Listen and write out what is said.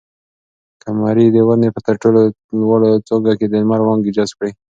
قمرۍ د ونې په تر ټولو لوړه څانګه کې د لمر وړانګې جذب کړې.